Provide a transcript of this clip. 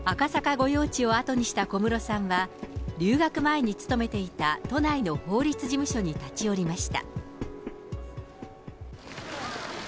御用地を後にした小室さんは、留学前に勤めていた都内の法律事務所に立ち寄りました。